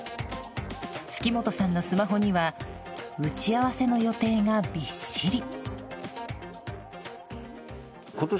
鋤本さんのスマホには打ち合わせの予定がびっしり。